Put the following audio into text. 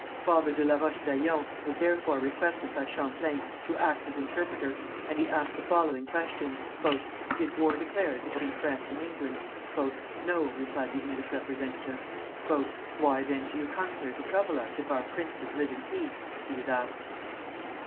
Father de la Roche d'Aillon was therefore requested by Champlain to act as interpreter, and he asked the following questions: "Is war declared between France and England?" "No," replied the English representative. "Why, then, do you come here to trouble us if our princes live in peace?" he was asked.